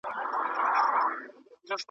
د څو شېبو لپاره `